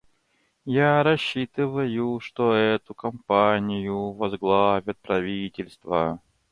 Я рассчитываю, что эту кампанию возглавят правительства.